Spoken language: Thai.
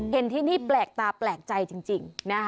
เห็นที่นี่แปลกตาแปลกใจจริง